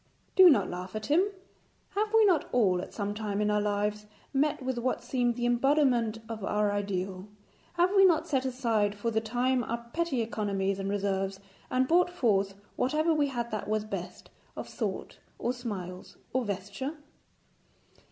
Do not laugh at him. Have we not all at some time in our lives met with what seemed the embodiment of our ideal; have we not set aside for the time our petty economies and reserves, and brought forth whatever we had that was best, of thought, or smiles, or vesture?